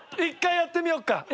１回やってみようか。